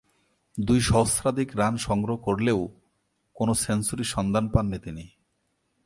দুই সহস্রাধিক রান সংগ্রহ করলেও কোন সেঞ্চুরির সন্ধান পাননি তিনি।